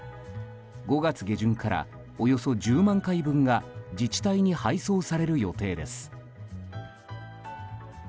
５月下旬からおよそ１０万回分が自治体に配送される予定です。